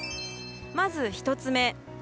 まず、１つ目。